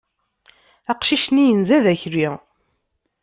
Aqcic-nni yenza d akli.